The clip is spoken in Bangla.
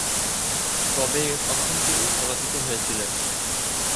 তবে তখন তিনি পরাজিত হয়েছিলেন।